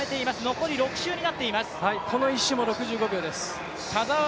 残り６周になっています。